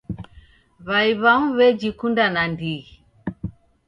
W'ai w'amu w'ejikunda nandighi.